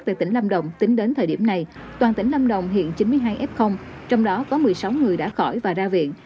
từ tỉnh lâm đồng tính đến thời điểm này toàn tỉnh lâm đồng hiện chín mươi hai f trong đó có một mươi sáu người đã khỏi và ra viện